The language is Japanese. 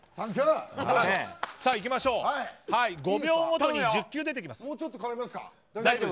５秒ごとに１０球出てきます。